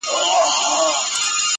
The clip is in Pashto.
فتحه زما ده- فخر زما دی- جشن زما دی-